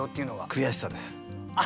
悔しさです。